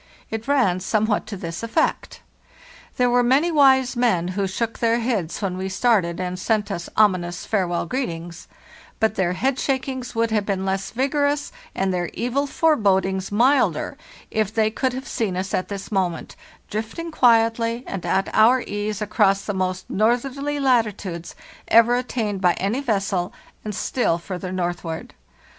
It ran somewhat to this effect: ' There were many wise men who shook their heads when we started, and sent us ominous farewell greetings. But their head * We had used for this purpose our pure grape spirit. WE PREPARE FOR THE SLEDGE EXPEDITION 25 shakings would have been less vigorous and their evil forebodings milder if they could have seen us at this moment, drifting quietly and at our ease across the most northerly latitudes ever attained by any vessel, and still farther northward.